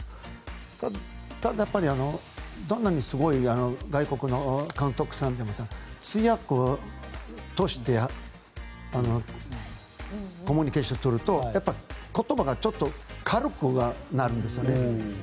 ただやっぱり、どんなにすごい外国の監督さんでも通訳を通してともにコミュニケーションを取ると言葉がちょっと軽くはなるんですね。